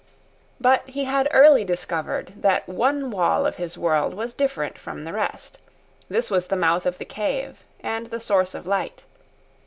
But he had early discovered that one wall of his world was different from the rest. This was the mouth of the cave and the source of light.